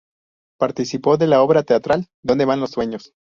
Participó de la obra teatral ""¿Dónde van los sueños?